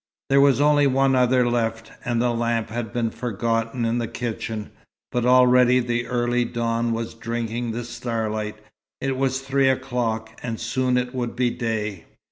There was only one other left, and the lamp had been forgotten in the kitchen: but already the early dawn was drinking the starlight. It was three o'clock, and soon it would be day.